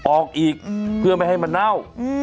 ออกอีกเพื่อไม่ให้มันเน่า